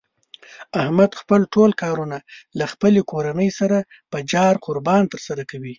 احمد خپل ټول کارونه له خپلې کورنۍ سره په جار قربان تر سره کوي.